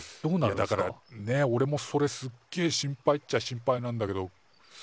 いやだからねおれもそれすっげえ心配っちゃ心配なんだけど。